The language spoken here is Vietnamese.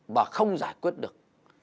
và không giải quyết được